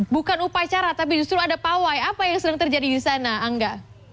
bukan upacara tapi justru ada pawai apa yang sedang terjadi di sana angga